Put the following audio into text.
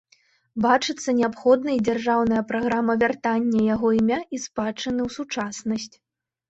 Бачыцца неабходнай дзяржаўная праграма вяртання яго імя і спадчыны ў сучаснасць.